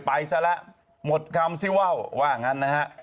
ไปซะแล้วหมดคำซิว่าวว่างั้นนะฮะ